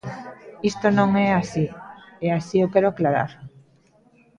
Isto non é así, e así o quero aclarar.